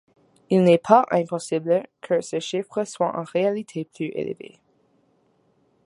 Il n'est pas impossible que ce chiffre soit en réalité plus élevé.